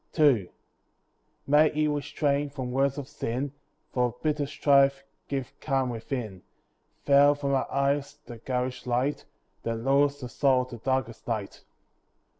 II May He restrain from words of sin; For bitter strife give calm within; Veil from our eyes the garish light, That lures the soul to darkest night.